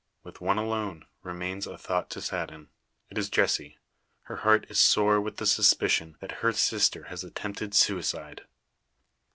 With one alone remains a thought to sadden. It is Jessie: her heart is sore with the suspicion, that her sister has attempted suicide!